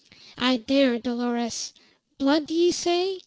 "I dare, Dolores! Blood, d' ye say?